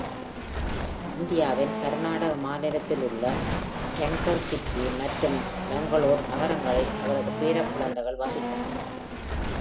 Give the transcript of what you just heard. இந்தியாவின் கர்நாடக மாநிலத்தில் உள்ள Tumkur City மற்றும் Bangalore நகரங்களில் அவரது பேரக் குழந்தைகள் வசிக்கின்றனர்.